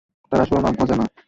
তার আসল নাম অজানা।